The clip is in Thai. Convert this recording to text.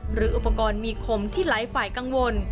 หรืออุปกรณ์มีคมที่หลายฝ่ายกังวล